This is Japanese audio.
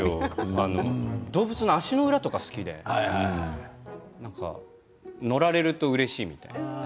動物の足の裏とかが好きで乗られるとうれしいみたいな。